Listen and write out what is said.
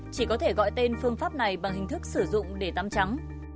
chỉ có thể gọi tên phương pháp này bằng hình thức sử dụng để tắm trắng